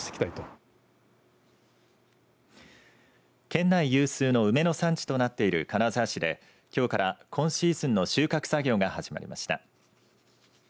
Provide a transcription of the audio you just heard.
県内有数の梅の産地となっている金沢市できょうから今シーズンの収穫作業が始まりました。